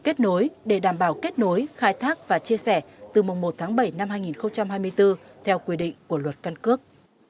kết nối để đảm bảo kết nối khai thác và chia sẻ từ mùng một tháng bảy năm hai nghìn hai mươi bốn theo quy định của luật căn cước